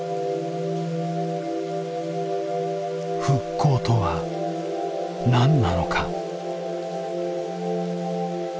復興とは何なのか？